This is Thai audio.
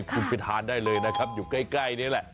คุณไปทานได้เลยนะครับอยู่ใกล้นี่แหละ